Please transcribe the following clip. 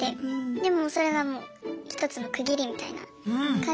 でもうそれが一つの区切りみたいな感じで。